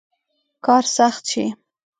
کار سخت شي.